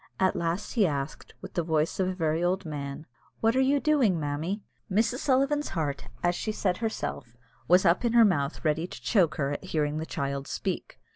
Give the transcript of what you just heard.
At last he asked, with the voice of a very old man, "What are you doing, mammy?" Mrs. Sullivan's heart, as she said herself, was up in her mouth ready to choke her, at hearing the child speak.